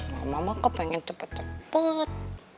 mama mah pengen cepet cepet